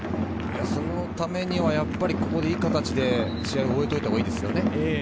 そのためには、ここでいい形で試合を終えておいたほうがいいですね。